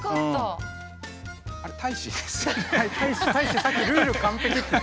あれ大使ですよね？